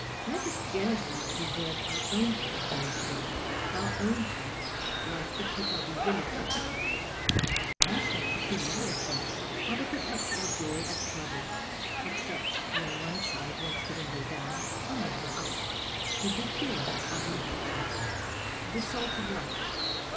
Let us jealously preserve oiir own charac teristics, our own type, like the Picardy villagers. 291 U3 PASTICHE AND PREJUDICE National peculiarities arc the perpetual joy of travel (except when one side wants the wndow down and the other up), the bouquet of literature, the salt of life.